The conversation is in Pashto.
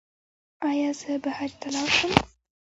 ایا زه به حج ته لاړ شم؟